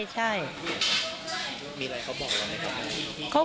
มีอะไรเขาบอกกันไหมครับ